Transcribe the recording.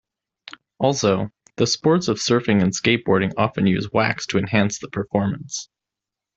Also, the sports of surfing and skateboarding often use wax to enhance the performance.